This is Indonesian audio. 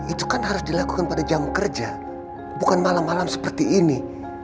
itu kan harus dilakukan pada jam kerja bukan malam malam seperti ini